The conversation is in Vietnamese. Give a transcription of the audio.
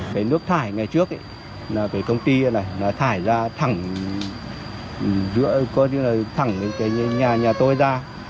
cái nước thải ngày trước cái công ty này nó thải ra thẳng rượu có như là thẳng cái nhà tôi ra